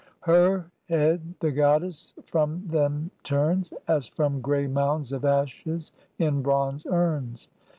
Her head the Goddess from them turns, As from grey mounds of ashes in bronze urns.